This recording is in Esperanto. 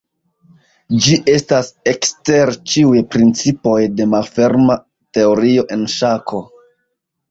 Ĝi estas ekster ĉiuj principoj de malferma teorio en ŝako.